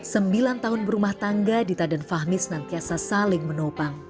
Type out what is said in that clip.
sembilan tahun berumah tangga dita dan fahmi senantiasa saling menopang